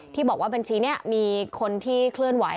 ที่บอกว่าบัญชีนี้มีคนที่เคลื่อนไหว